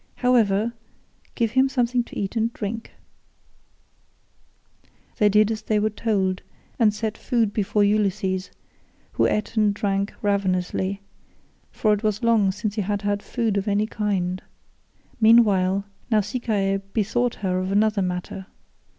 However, give him something to eat and drink." They did as they were told, and set food before Ulysses, who ate and drank ravenously, for it was long since he had had food of any kind. Meanwhile, Nausicaa bethought her of another matter.